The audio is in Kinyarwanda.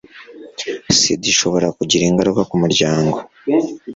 sida ishobora kugira ingaruka ku umuryango